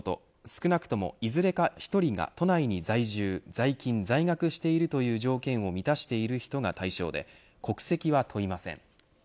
少なくともいずれか１人が都内に在住在勤、在学しているという条件を満たしている人が対象で国籍は問いません。